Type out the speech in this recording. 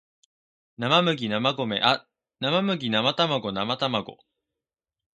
生麦生卵生卵